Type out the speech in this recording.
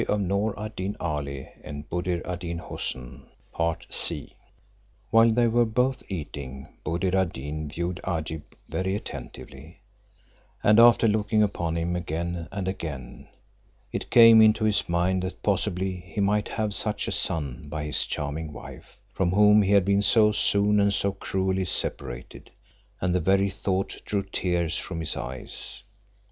Another was served up to the eunuch, and he gave the same judgment. While they were both eating, Buddir ad Deen viewed Agib very attentively; and after looking upon him again and again, it came into his mind that possibly he might have such a son by his charming wife, from whom he had been so soon and so cruelly separated; and the very thought drew tears from his eyes.